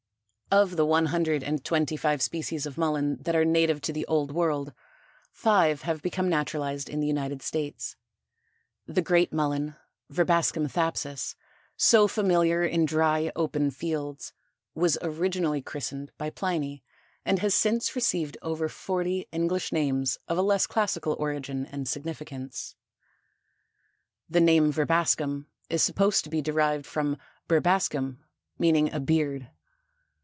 Of the one hundred and twenty five species of Mullen that are native to the old world, five have become naturalized in the United States. The Great Mullen (Verbascum thapsus), so familiar in dry, open fields, was originally christened by Pliny and has since received over forty English names of a less classical origin and significance. The name Verbascum is supposed to be derived from Berbascum, meaning a beard.